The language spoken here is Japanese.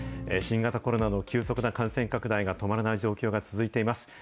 新型コロナの急速な感染拡大が止まらない状況が続いています。